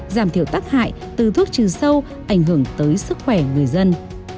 giảm thiểu tắc hại từ thuốc trừ sâu ảnh hưởng tới sức khỏe người dân